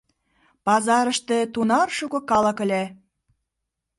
Пазарыште тунар шуко калык ыле.